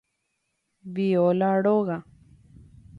Viola róga.